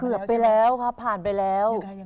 ไปแล้วครับผ่านไปแล้ว